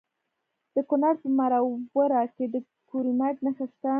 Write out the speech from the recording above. د کونړ په مروره کې د کرومایټ نښې شته.